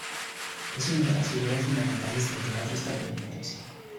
Es una de las figuras fundamentales del teatro estadounidense.